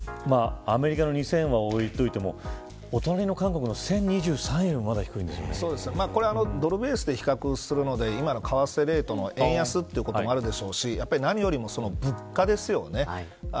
海外と比べるとアメリカの２０００円は置いといてもお隣の韓国の１０２３円よりもこれはドルベースで比較するので今の為替レートの円安ってこともあるでしょうし何よりも物価ですよね。